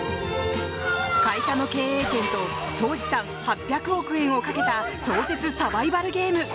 会社の経営権と総資産８００億円をかけた壮絶サバイバルゲーム。